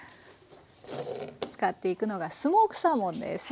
使っていくのがスモークサーモンです。